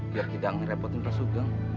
biar tidak merepotin pak sugong